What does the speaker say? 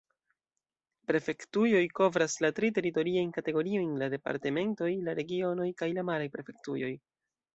Prefektujoj kovras la tri teritoriajn kategoriojn: la departementoj, la regionoj kaj la maraj prefektujoj.